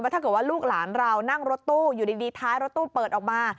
ถ้าเกิดว่าลูกหลานเรานั่งรถตู้อยู่ดีท้ายรถตู้เปิดออกมา